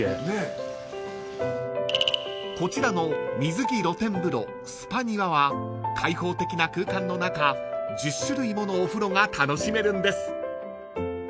［こちらの水着露天風呂スパニワは開放的な空間の中１０種類ものお風呂が楽しめるんです］